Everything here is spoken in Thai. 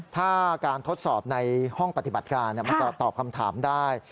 ถ้าการทดสอบในห้องปฏิบัติการมันจะตอบคำถามได้